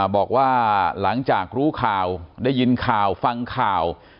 บอกว่าหลังจากรู้ข่าวได้ยินข่าวฟังข่าว